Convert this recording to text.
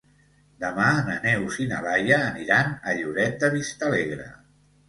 Demà na Neus i na Laia aniran a Lloret de Vistalegre.